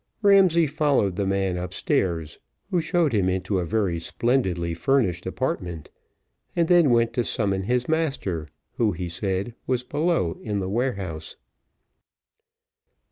Ramsay followed the man upstairs, who showed him into a very splendidly furnished apartment, and then went to summon his master, who, he said, was below in the warehouse.